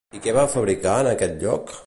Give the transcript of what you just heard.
I què va fabricar en aquest lloc?